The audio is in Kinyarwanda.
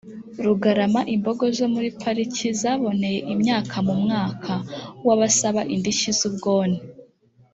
rugarama imbogo zo muri pariki zaboneye imyaka mu mwaka wa basaba indishyi z ubwone